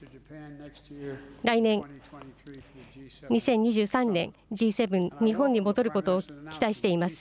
来年、２０２３年、Ｇ７、日本に戻ることを期待しています。